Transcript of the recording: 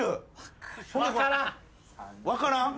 分からん？